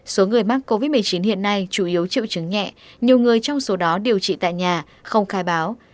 số người mắc covid một mươi chín hiện nay chủ yếu triệu chứng nhẹ nhiều người trong số đó điều trị tại nhà không khai báo